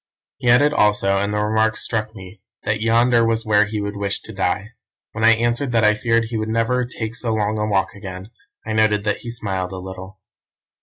He added also, and the remark struck me, that yonder was where he would wish to die. When I answered that I feared he would never take so long a walk again, I noted that he smiled a little.